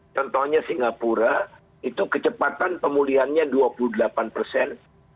contohnya singapura itu kecepatan pemulihannya dua puluh delapan persen